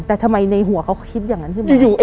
แต่ทำไมในหัวเขาคิดอย่างนั้นขึ้นมา